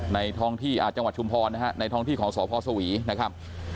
ท้องที่จังหวัดชุมพรนะฮะในท้องที่ของสพสวีนะครับ